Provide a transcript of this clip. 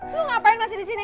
lo ngapain masih di sini